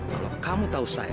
kalau kamu tahu saya